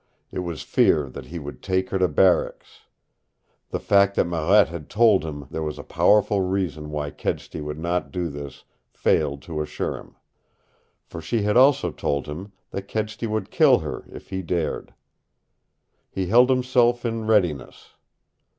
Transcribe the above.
It was fear that he would take her to barracks. The fact that Marette had told him there was a powerful reason why Kedsty would not do this failed to assure him. For she had also told him that Kedsty would kill her, if he dared. He held himself in readiness.